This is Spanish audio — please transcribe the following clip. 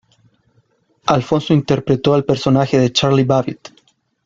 Alfonso interpretó al personaje de Charlie Babbitt.